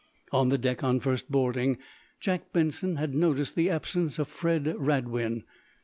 On the deck, on first boarding, Jack Benson had noticed the absence of Fred Radwin.